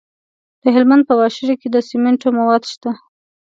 د هلمند په واشیر کې د سمنټو مواد شته.